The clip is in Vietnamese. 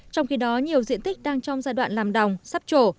trong khi đó nhiều diện tích đang trong giai đoạn làm đồng sắp trổ